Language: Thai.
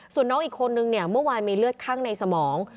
ส่วนน้องอีกคนนึงเนี่ยเมื่อวานมีเลือดข้างในสมอง